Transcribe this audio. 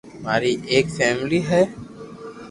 ماري ايڪ فآملي ھي